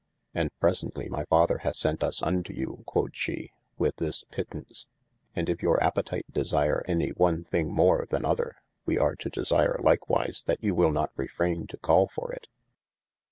And presently my father hath sent us unto you (quod she) with this pittaunce, and if your apetite desire any on thing more than other, we are to desire likewise that you will not refrayne to call for it.